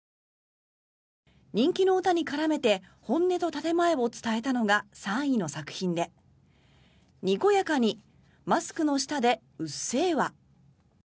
人気の歌に絡めて、本音と建前を伝えたのが３位の作品で「にこやかにマスクの下で“うっせぇわ！”」。